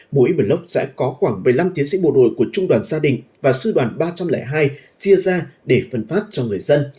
mỗi block sẽ có khoảng một mươi năm tiến sĩ bộ đội của trung đoàn gia đình và sư đoàn ba trăm linh hai chia ra để phân phát cho người dân